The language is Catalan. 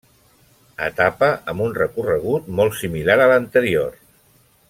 Etapa amb un recorregut molt similar a l'anterior.